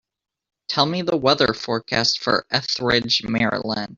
Tell me the weather forecast for Ethridge, Maryland